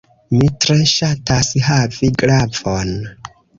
Mi tre ŝatas havi glavon.